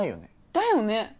だよね。